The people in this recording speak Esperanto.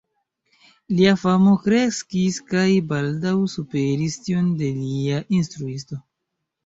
Lia famo kreskis kaj baldaŭ superis tion de lia instruisto.